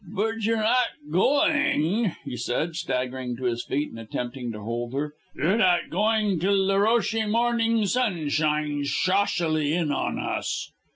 "But you're not going?" he said, staggering to his feet and attempting to hold her. "You're not going till the roshy morning sun shines shaucily in on us."